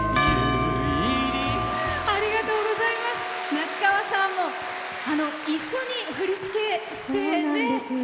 夏川さんも一緒に振り付けして。